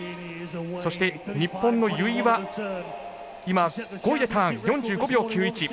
そして日本の由井は５位でターン、４５秒９１。